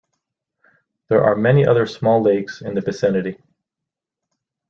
There are many other small lakes in the vicinity.